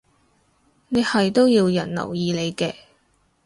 你係都要人留意你嘅